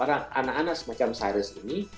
anak anak semacam series ini